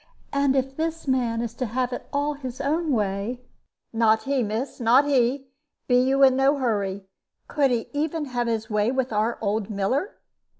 And if this man is to have it all his own way " "Not he, miss not he. Be you in no hurry. Could he even have his way with our old miller?